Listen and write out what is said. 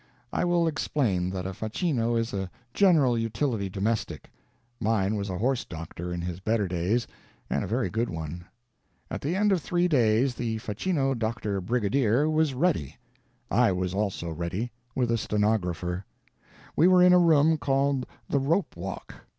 I will explain that a facchino is a general utility domestic. Mine was a horse doctor in his better days, and a very good one. At the end of three days the facchino doctor brigadier was ready. I was also ready, with a stenographer. We were in a room called the Rope Walk.